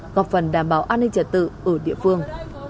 ngọc phần đảm bảo an ninh trả tự ở địa phương